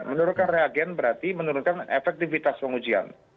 menurunkan reagen berarti menurunkan efektivitas pengujian